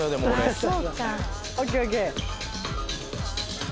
ＯＫＯＫ！